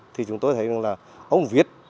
thì chúng tôi thấy là ông viết